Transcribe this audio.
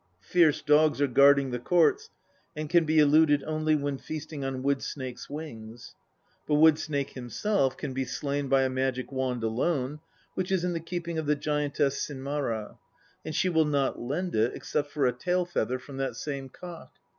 Fierce dogs are guarding the courts, and can be eluded only when feasting on Wood snake's wings ; but Wood snake himself can be slain by a magic wand alone, which is in the keeping of the giantess Sinmara, and she will not lend it except for a tail feather from that same cock.